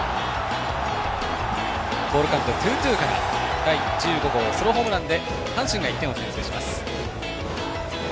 ボールカウント、ツーツーから第１５号ホームランで阪神が１点を先制します。